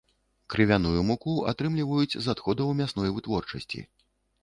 Крывяную муку атрымліваюць з адходаў мясной вытворчасці.